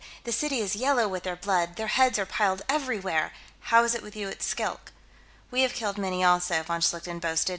"The city is yellow with their blood; their heads are piled everywhere! How is it with you at Skilk?" "We have killed many, also," von Schlichten boasted.